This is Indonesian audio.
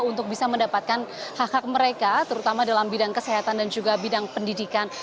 untuk bisa mendapatkan hak hak mereka terutama dalam bidang kesehatan dan juga bidang pendidikan